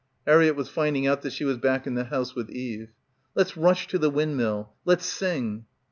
Harriett was finding out that she was back in the house with Eve. "Let's rush to the windmill. Let's sing."